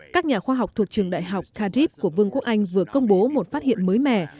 các nhà khoa học thuộc trường đại học carib của vương quốc anh vừa công bố một phát hiện mới mẻ